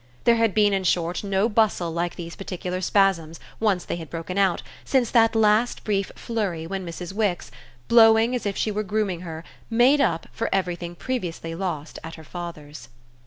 There had been in short no bustle like these particular spasms, once they had broken out, since that last brief flurry when Mrs. Wix, blowing as if she were grooming her, "made up" for everything previously lost at her father's.